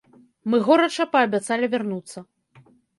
Мы горача паабяцалі вярнуцца.